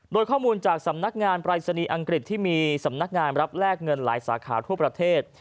โดยข้อมูลจากสำนักงานปรายศนีย์อังกฤษที่มีสำนักงานรับแลกเงินหลายสาขาทั่วประเทศ